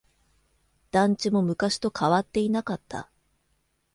団地も昔と変わっていなかった。